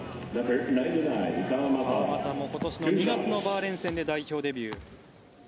川真田も今年の２月のバーレーン戦で代表デビュー。